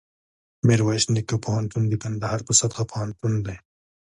میرویس نیکه پوهنتون دکندهار په سطحه پوهنتون دی